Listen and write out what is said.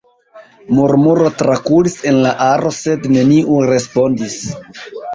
Murmuro trakuris en la aro, sed neniu respondis.